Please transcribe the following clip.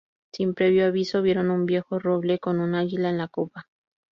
Sin previo aviso vieron un viejo roble con un águila en la copa.